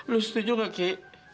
lo setuju nggak ki